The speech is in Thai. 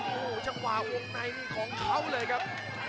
โอ้จะว่าวงในของเขาเลยครับ